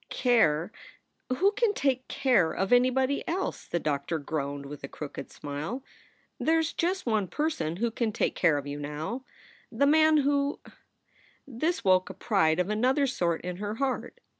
"Care! Who can take care of anybody else?" the doctor groaned, with a crooked smile. "There s just one person who can take care of you now: the man who " This woke a pride of another sort in her heart.